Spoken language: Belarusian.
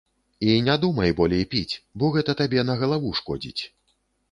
І не думай болей піць, бо гэта табе на галаву шкодзіць.